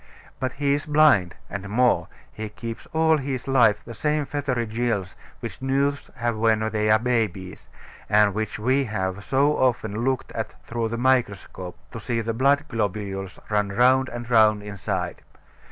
But he is blind; and more, he keeps all his life the same feathery gills which newts have when they are babies, and which we have so often looked at through the microscope, to see the blood globules run round and round inside.